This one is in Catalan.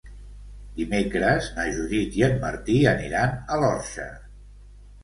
Dimecres na Judit i en Martí aniran a l'Orxa.